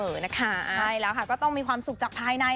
นะคะใช่แล้วค่ะก็ต้องมีความสุขจากภายใน